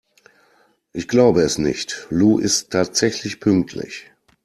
Ich glaube es nicht, Lou ist tatsächlich pünktlich!